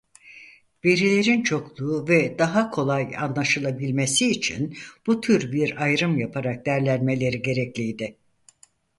Verilerin çokluğu ve daha kolay anlaşılabilmesi için bu tür bir ayrım yaparak derlenmeleri gerekliydi.